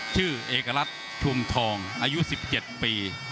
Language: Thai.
ชื่อเอกรัฐชุมทองอายุ๑๗ปี